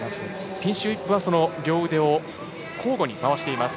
ピンシュー・イップは両腕を交互に回します。